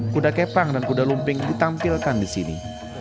kuda kepang dan kuda lumping ditampilkan di sini